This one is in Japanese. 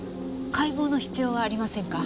解剖の必要はありませんか？